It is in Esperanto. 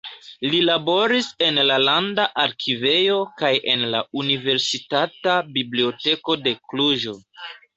Li laboris en la Landa Arkivejo kaj en la Universitata Biblioteko de Kluĵo.